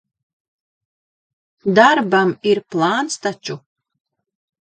Darbam ir plāns taču.